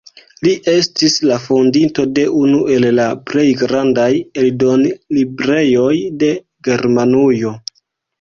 Li estis la fondinto de unu el la plej grandaj eldonlibrejoj de Germanujo.